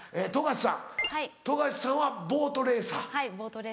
富樫さん富樫さんはボートレーサー？